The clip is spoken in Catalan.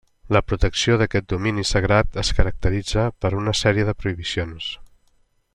La protecció d'aquest domini sagrat es caracteritza per una sèrie de prohibicions.